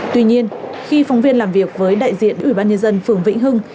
tuy nhiên khi phóng viên làm việc với đại diện ủy ban nhân dân phường vĩnh hưng